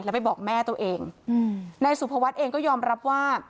แล้วไปบอกแม่ตัวเองอืมนายสุภวัฒน์เองก็ยอมรับว่า